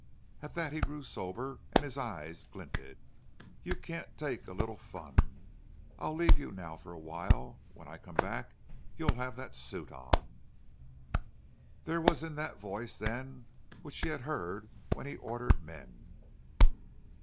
At that he grew sober and his eyes glinted. "You can't take a little fun. I'll leave you now for a while. When I come back you'll have that suit on!" There was that in his voice then which she had heard when he ordered men.